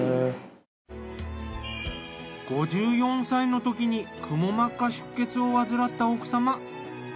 ５４歳のときにくも膜下出血を患った奥様。